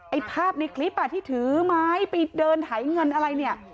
ภาพในคลิปที่ถือไม้ไปเดินถ่ายเงินอะไรเนี่ย